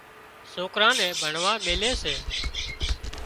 سوڪران نين ڀڻوا ميلي سي